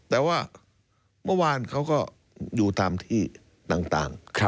แต่ว่าเมื่อวานเขาก็อยู่ตามที่ต่าง